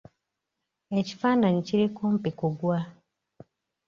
Ekifaananyi kiri kumpi ku gwa.